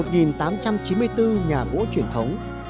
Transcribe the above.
một tám trăm chín mươi bốn nhà gỗ truyền thống